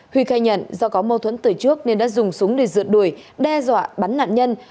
huy khai nhận do có mâu thuẫn từ trước nên đã dùng súng để rượt đuổi đe dọa bắn nạn nhân